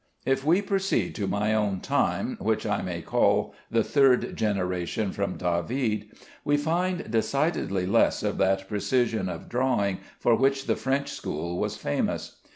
If we proceed to my own time, which I may call the third generation from David, we find decidedly less of that precision of drawing for which the French school was famous.